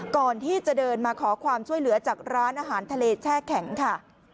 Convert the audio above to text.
ก่อนที่จะเดินมาขอความช่วยเหลือจากร้านอาหารทะเลแช่แข็งค่ะ